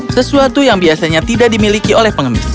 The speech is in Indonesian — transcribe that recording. sesuatu yang biasanya tidak dimiliki oleh pengemis